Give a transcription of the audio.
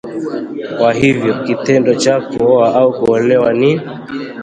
Kwa hivyo kitendo cha kuoa au kuolewa ni